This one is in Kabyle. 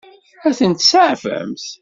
Ad tent-tseɛfemt?